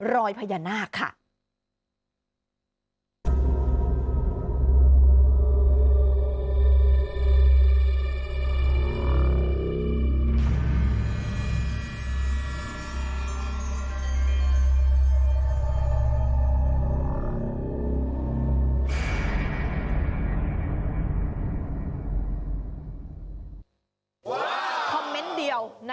รอยพญานาคค่ะ